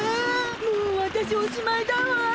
もうわたしおしまいだわ！